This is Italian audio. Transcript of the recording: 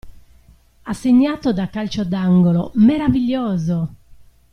Ha segnato da calcio d'angolo, meraviglioso!